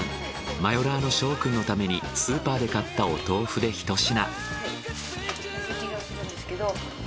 マヨラーの翔くんのためにスーパーで買ったお豆腐で１品。